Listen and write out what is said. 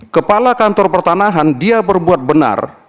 kepala kantor pertanahan dia berbuat benar